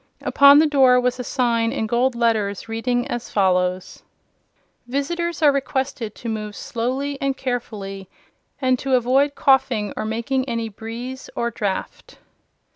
Upon the door was a sign in gold letters reading as follows: VISITORS are requested to MOVE SLOWLY and CAREFULLY, and to avoid COUGHING or making any BREEZE or DRAUGHT.